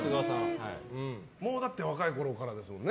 もうだって若いころからですもんね。